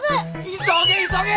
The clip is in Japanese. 急げ急げ。